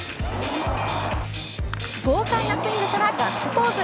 豪快なスイングからガッツポーズ。